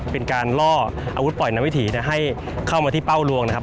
เป็นการล่ออาวุธปล่อยนวิถีให้เข้ามาที่เป้าลวงนะครับ